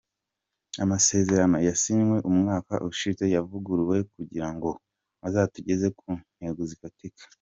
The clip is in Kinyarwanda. Amasezerano yasinywe umwaka ushize yavuguruwe kugira ngo azatugeze ku ntego zifatika.